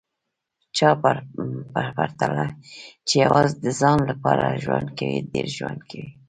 چا په پرتله چي یوازي د ځان لپاره ژوند کوي، ډېر ژوند کوي